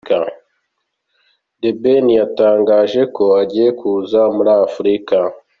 The Ben yatangaje ko agiye kuza muri Afurika.